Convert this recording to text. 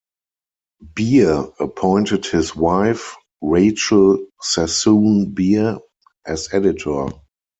Beer appointed his wife, Rachel Sassoon Beer, as editor.